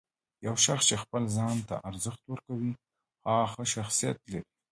یو شخص چې خپل ځان ته ارزښت ورکوي، هغه ښه شخصیت لري.